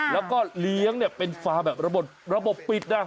แล้วก็เลี้ยงเนี่ยเป็นฟาร์มแบบระบบปิดนะ